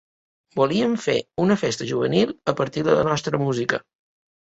Volíem fer una festa juvenil a partir de la nostra música.